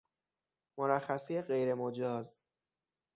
مرخصی غیر مجاز